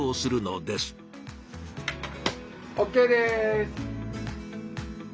ＯＫです！